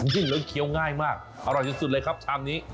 จริงแล้วเคี้ยวง่ายมากอร่อยสุดเลยครับชามนี้